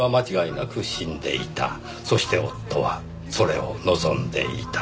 そして夫はそれを望んでいた。